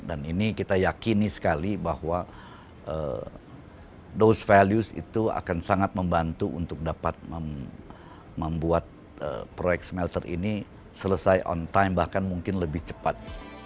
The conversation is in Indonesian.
dan ini kita yakini sekali bahwa those values itu akan sangat membantu untuk dapat membuat proyek smelter ini selesai on time bahkan mungkin lebih cepat